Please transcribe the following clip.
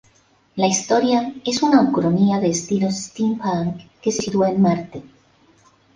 La historia es una ucronía de estilo steampunk que se sitúa en Marte.